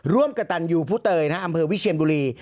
ร่วมกระตันยูผู้เตยอำเภอวิเชียนบุรี